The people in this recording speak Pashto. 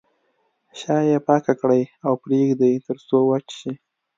شا یې پاکه کړئ او پرېږدئ تر څو وچ شي.